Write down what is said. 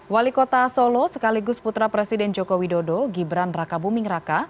wali kota solo sekaligus putra presiden joko widodo gibran raka buming raka